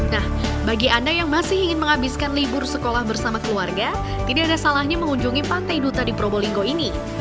nah bagi anda yang masih ingin menghabiskan libur sekolah bersama keluarga tidak ada salahnya mengunjungi pantai duta di probolinggo ini